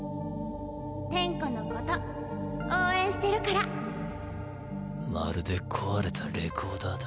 転弧のこと応援してるからまるで壊れたレコーダーだ。